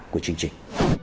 của chương trình